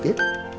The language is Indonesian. aku suka banget